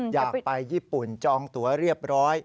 อยากไปญี่ปุ่นจองตัวเรียบร้อย